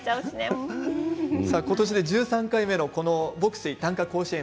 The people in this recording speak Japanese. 今年で１３回目の牧水・短歌甲子園